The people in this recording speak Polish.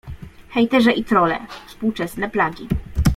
Hejterzy i trolle - współczesne plagi.